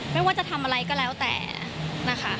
ไม่ว่าจะทำอะไรก็แล้วแต่นะคะ